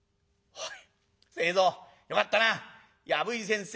おい。